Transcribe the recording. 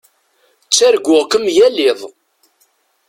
Ttarguɣ-kem yal iḍ.